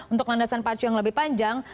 untuk landasan pacu yang lebih panjang